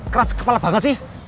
keras kepala banget sih